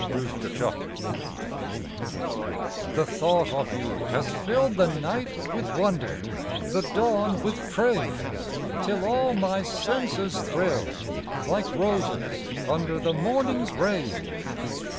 ARDOUR The thought of you has filled the night with wonder, The dawn with praise, Till all my senses thrill, like roses under The morning's rays.